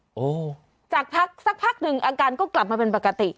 โอ้โหจากพักสักพักหนึ่งอาการก็กลับมาเป็นปกติ